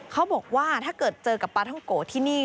เขาบอกว่าถ้าเจอกับพาท่องโกที่นี่